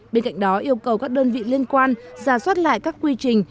bên cạnh đó yêu cầu các đơn vị liên quan ra soát lại các quy trình